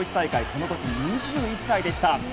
この時、２１歳でした。